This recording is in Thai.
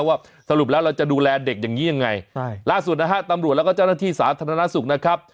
ว่าสรุปแล้วเราจะดูแลเด็กอย่างนี้ยังไงใช่ล่าสุดนะฮะตำรวจแล้วก็เจ้าหน้าที่สาธารณสุขนะครับ